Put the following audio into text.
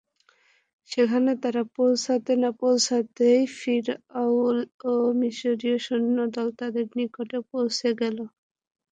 সেখানে তারা পৌঁছতে না পৌঁছতেই ফিরআউন ও তার মিসরীয় সৈন্যদল তাদের নিকটে পৌঁছে গেল।